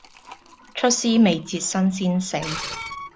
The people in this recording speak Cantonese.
出師未捷身先死